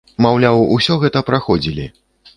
Маўляў, усё гэта праходзілі.